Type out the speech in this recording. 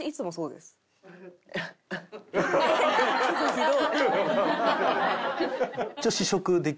ひどい。